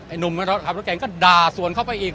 หนุ่มขับรถเก่งก็ด่าสวนเข้าไปอีก